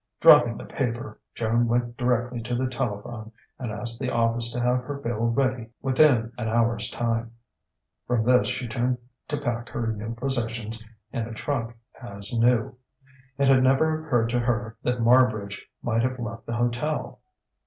Dropping the paper, Joan went directly to the telephone and asked the office to have her bill ready within an hour's time. From this she turned to pack her new possessions in a trunk as new. It had never occurred to her that Marbridge might have left the hotel.